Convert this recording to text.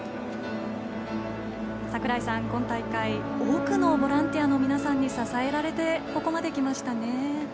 櫻井さん、今大会多くのボランティアの皆さんに支えられて、ここまできましたね。